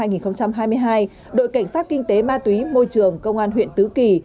đội cảnh sát kinh tế ma túy môi trường công an huyện tứ kỳ